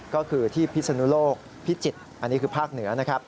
ก็คือที่พิศนุโลกพิจิตรอันนี้คือภาคเหนือนะครับ